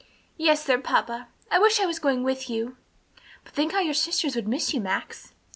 "Yes, sir. Papa, I wish I was going with you!" "But think how your sisters would miss you, Max."